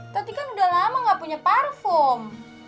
tapi kan udah lama gak punya parfum